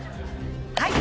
はい。